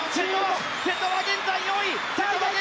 瀬戸は現在４位。